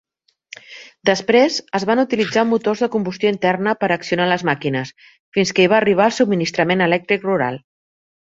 Després, es van utilitzar motors de combustió interna per accionar les màquines, fins que hi va arribar el subministrament elèctric rural.